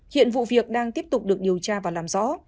hiện vụ việc đang tiếp tục được điều tra và làm rõ